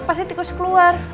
pasti tikusnya keluar